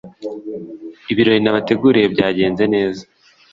Ibirori nabateguriye byagenze neza.